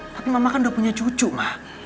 tapi mama kan udah punya cucu mah